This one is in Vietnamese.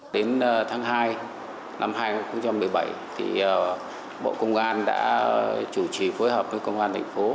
đến tháng hai năm hai nghìn một mươi bảy bộ công an đã chủ trì phối hợp với công an thành phố